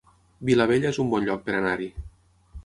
Vilabella es un bon lloc per anar-hi